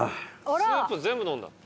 スープ全部飲んだ。